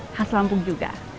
khas lampung juga